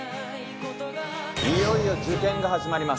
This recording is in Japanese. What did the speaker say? いよいよ受験が始まります。